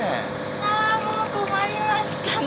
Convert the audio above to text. あもう困りましたね。